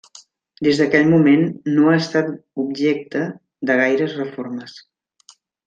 Des d'aquell moment no ha estat objecte de gaires reformes.